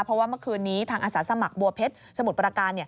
เพราะว่าเมื่อคืนนี้ทางอาสาสมัครบัวเพชรสมุทรประการ